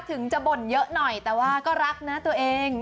ถึงจะบ่นเยอะหน่อยแต่ว่าก็รักนะตัวเอง